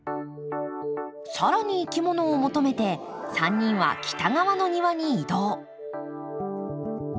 更にいきものを求めて３人は北側の庭に移動。